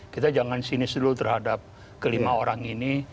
kita jangan sinis dulu terhadap kelima orang ini